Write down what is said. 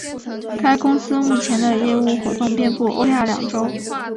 该公司目前的业务活动遍布欧亚两洲。